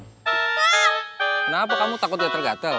kenapa kamu takut udah tergatal